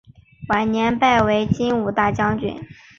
晚年拜为金吾大将军。